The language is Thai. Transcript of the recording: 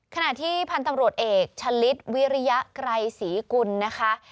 ขณะที่พันธุ์ตำรวจเอกชะลิดวิริยไกรศรีกุลนะคะ